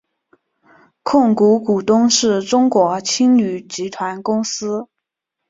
控股股东是中国青旅集团公司。